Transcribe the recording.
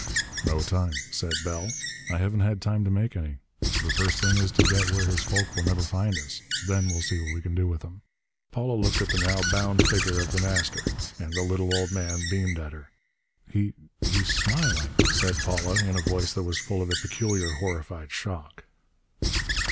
"No time," said Bell. "I haven't had time to make any. The first thing is to get where his folk will never find us. Then we'll see what we can do with him." Paula looked at the now bound figure of The Master. And the little old man beamed at her. "He he's smiling!" said Paula, in a voice that was full of a peculiar horrified shock.